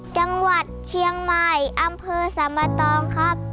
จังหวัดเชียงใหม่อำเภอสามะตองครับ